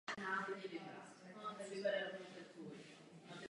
Také vystupuje v několika divadlech.